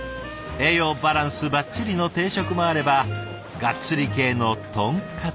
栄養バランスばっちりの定食もあればがっつり系のとんかつも。